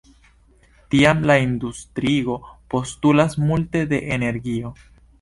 Tiam la industriigo postulas multe de energio.